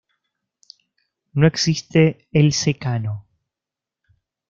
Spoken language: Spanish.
No existe el secano.